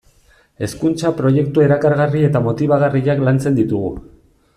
Hezkuntza-proiektu erakargarri eta motibagarriak lantzen ditugu.